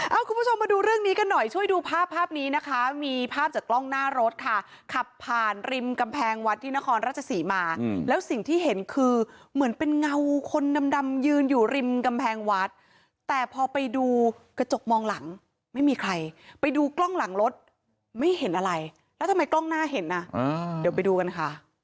เอาคุณผู้ชมมาดูเรื่องนี้กันหน่อยช่วยดูภาพภาพนี้นะคะมีภาพจากกล้องหน้ารถค่ะขับผ่านริมกำแพงวัดที่นครราชสีมาแล้วสิ่งที่เห็นคือเหมือนเป็นเงาคนดำดำยืนอยู่ริมกำแพงวัดแต่พอไปดูกระจกมองหลังไม่มีใครไปดูกล้องหลังรถไม่เห็นอะไรแล้วทำไมกล้องหน้าเห็นอ่ะเดี๋ยวไปดูกันค่ะ